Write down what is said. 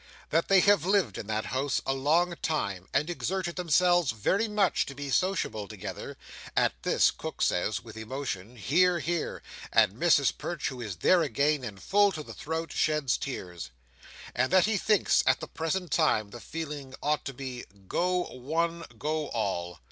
That they have lived in that house a long time, and exerted themselves very much to be sociable together. (At this, Cook says, with emotion, "Hear, hear!" and Mrs Perch, who is there again, and full to the throat, sheds tears.) And that he thinks, at the present time, the feeling ought to be "Go one, go all!"